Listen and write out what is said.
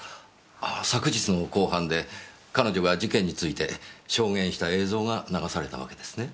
あ昨日の公判で彼女が事件について証言した映像が流されたわけですね？